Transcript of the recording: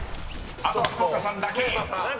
［あとは福岡さんだけ］